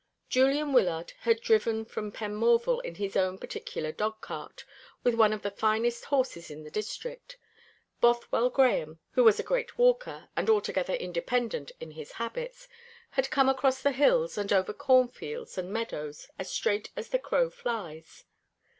Julian Wyllard had driven from Penmorval in his own particular dog cart, with one of the finest horses in the district. Bothwell Grahame, who was a great walker and altogether independent in his habits, had come across the hills, and over cornfields and meadows, as straight as the crow flies.